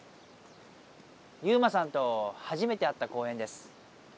ユウマさんとはじめて会った公園です。